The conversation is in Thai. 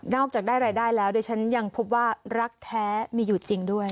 จากได้รายได้แล้วดิฉันยังพบว่ารักแท้มีอยู่จริงด้วย